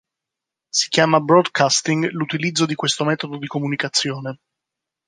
Si chiama "broadcasting" l'utilizzo di questo metodo di comunicazione.